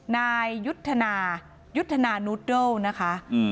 นายยุทธนายุทธนานูดเดิลนะคะ